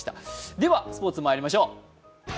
ではスポーツにまいりましょう。